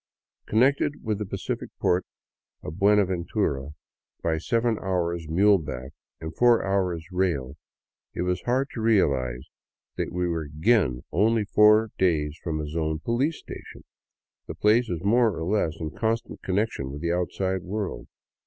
Con nected with the Pacific port of Buenaventura by seven hours mule back and four hours rail — it was hard to realize that we were again only four days from a Zone police station — the place is in more or less constant connection with the outside world.